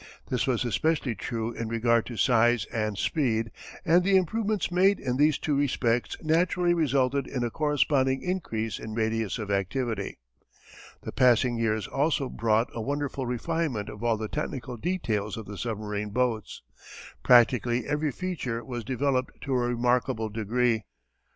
This was especially true in regard to size and speed and the improvements made in these two respects naturally resulted in a corresponding increase in radius of activity. The passing years also brought a wonderful refinement of all the technical details of the submarine boats. Practically every feature was developed to a remarkable degree.